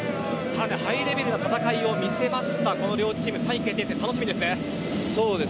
ハイレベルな戦いを見せたこの両チームの３位決定戦楽しみですね。